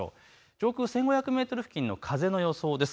上空１５００メートルの風の予想です。